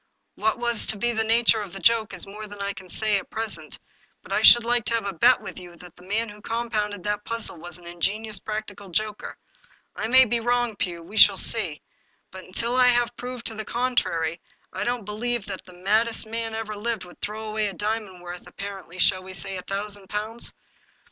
What was to be the nature of the joke is more than I can say at present, but I should like to have a bet with you that the man who compounded that puzzle was an ingenious practical joker. I may be wrong, Pugh; we shall see. But, until I have proved the contrary, I don't believe that the maddest man that ever lived would throw away a diamond worth, ap parently, shall we say a thousand pounds